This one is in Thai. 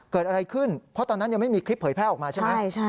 เกิดอะไรขึ้นเพราะตอนนั้นยังไม่มีคลิปเผยแพร่ออกมาใช่ไหม